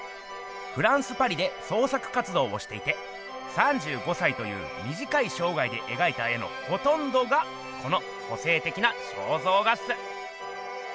フランスパリで創作活動をしていて３５歳というみじかいしょうがいでえがいた絵のほとんどがこの個性的な肖像画っす。